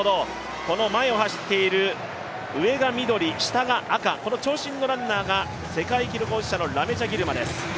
前を走っている、上が緑、下が赤、この長身のランナーが世界記録保持者のラメチャ・ギルマです。